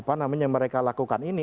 apa namanya mereka lakukan ini